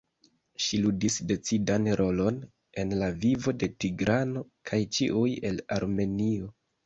Ŝi ludis decidan rolon en la vivo de Tigrano kaj ĉiuj el Armenio.